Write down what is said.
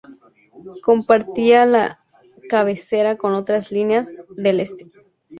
Compartía la cabecera con otras líneas del este.